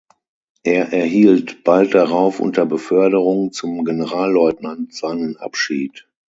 Er erhielt bald darauf unter Beförderung zum Generalleutnant seinen Abschied.